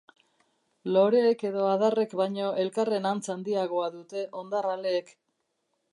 Loreek edo adarrek baino elkarren antz handiagoa dute hondar-aleek.